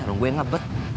warung gue yang ngebet